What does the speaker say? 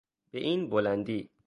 به این بلندی